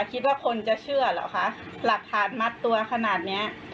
คิดว่าคนจะเชื่อเหรอคะหลักฐานมัดตัวขนาดเนี้ย